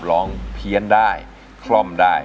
เพี้ยนได้คล่อมได้